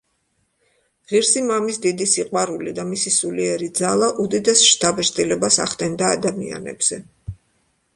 ღირსი მამის დიდი სიყვარული და მისი სულიერი ძალა უდიდეს შთაბეჭდილებას ახდენდა ადამიანებზე.